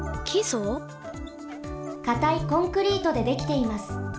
かたいコンクリートでできています。